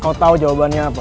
kau tahu jawabannya apa